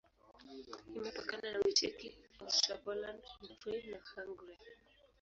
Imepakana na Ucheki, Austria, Poland, Ukraine na Hungaria.